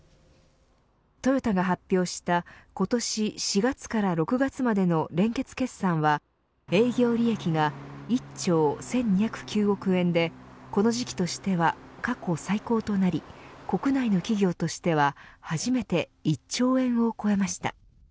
トヨタが発表した今年４月から６月までの連結決算は営業利益が１兆１２０９億円でこの時期としては過去最高となり国内の企業としては初めて１兆円を超えました。